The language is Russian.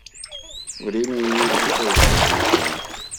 Время имеет решающее значение.